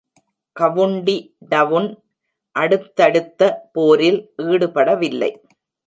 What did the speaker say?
County Down அடுத்தடுத்த போரில் ஈடுபடவில்லை.